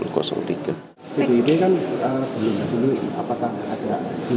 pdip kan belum apakah ada